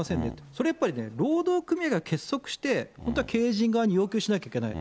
それやっぱりね、労働組合が結束して本当は経営陣側に要求しなきゃいけない。